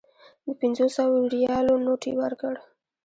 د پنځو سوو ریالو نوټ یې ورکړ.